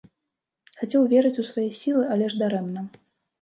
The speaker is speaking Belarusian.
Хацеў верыць у свае сілы, але ж дарэмна.